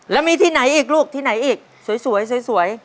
แล้วมีที่ไหนอีกลูกที่ไหนอีกสวย